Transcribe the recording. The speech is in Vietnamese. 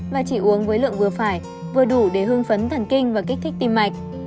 và chỉ uống với lượng vừa phải vừa đủ để hương phấn thần kinh và kích thích tim mạch